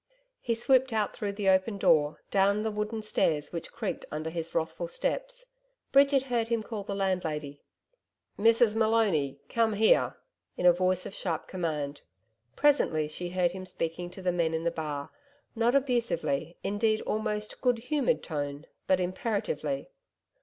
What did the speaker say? He swooped out through the open door, down the wooden stairs which creaked under his wrathful steps. Bridget heard him call the landlady, 'Mrs Maloney! Come here!' in a voice of sharp command. Presently she heard him speaking to the men in the bar, not abusively, indeed almost good humoured tone, but imperatively.